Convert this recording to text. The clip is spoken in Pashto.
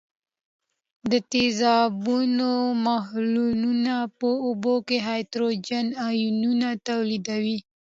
د تیزابونو محلولونه په اوبو کې هایدروجن آیونونه تولیدوي.